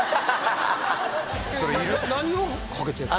何をかけてんの？